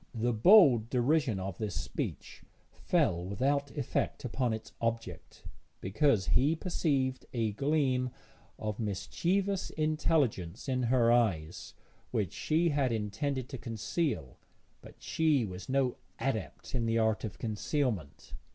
The bold derision of this speech fell without effect upon its object, because he perceived a gleam of mischievous intelligence in her eyes which she had intended to conceal, but she was no adept in the art of concealment.